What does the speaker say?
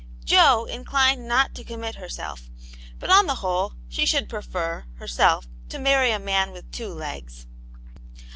""Jo inclined not to commit herself. But on the whole, she should prefer, herself, to marry a man with two legs.